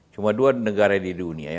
cuma dua negara di dunia ya